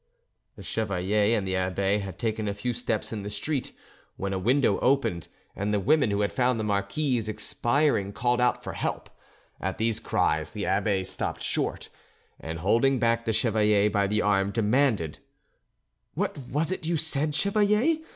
The chevalier and the abbe had taken a few steps in the street when a window opened and the women who had found the marquise expiring called out for help: at these cries the abbe stopped short, and holding back the chevalier by the arm, demanded— "What was it you said, chevalier?